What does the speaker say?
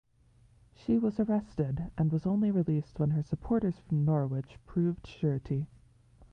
She was arrested and was only released when her supporters from Norwich proved surety.